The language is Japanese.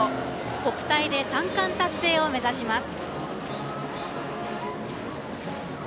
国体で３冠達成を目指します。